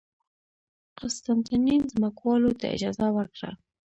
قسطنطین ځمکوالو ته اجازه ورکړه